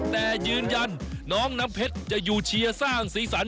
แต่ยืนยันน้องน้ำเพชรจะอยู่เชียร์สร้างสีสัน